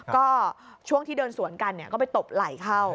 ก็ช่วงที่เดินสวนกันก็ไปตบไหล่เข้า